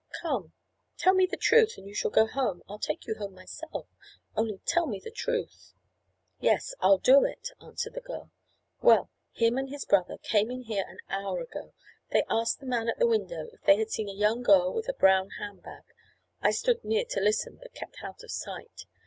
"Come; tell me the truth and you shall go home—I'll take you home myself—only tell me the truth." "Yes, I'll do it," answered the girl. "Well, him and his brother came in here an hour ago. They asked the man at the window if he had seen a young girl with a brown hand bag. I stood near to listen, but kept out of sight.